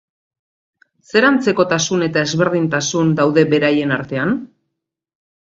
Zer antzekotasun eta ezberdintasun daude beraien artean?